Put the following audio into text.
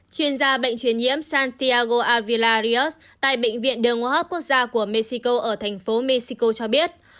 chuyên gia bệnh truyền nhiễm santiago avilarios tại bệnh viện đường hóa quốc gia của mexico ở thành phố mexico cho biết